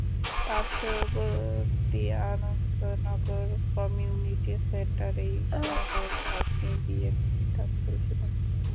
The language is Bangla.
পার্শ্ববর্তী আনন্দনগর কমিউনিটি সেন্টারেই শিমুলের ভাগনির বিয়ের অনুষ্ঠান চলছিল।